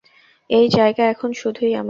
এই জায়গা এখন শুধুই আমাদের।